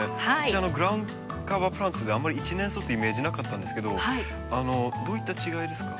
私グラウンドカバープランツではあんまり１年草ってイメージなかったんですけどどういった違いですか？